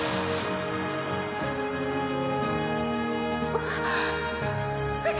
あっ！